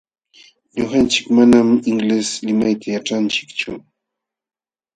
Ñuqanchik manam inglés limayta yaćhanchikchu.